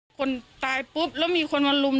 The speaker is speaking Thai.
แล้วไอ้พระม่าก็เก็บกระเป๋าเดินลงมาเลย